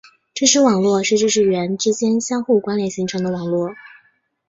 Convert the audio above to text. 知识网络是知识元之间相互关联形成的网络。